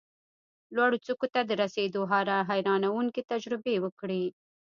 لوړو څوکو ته د رسېدو حیرانوونکې تجربې وکړې،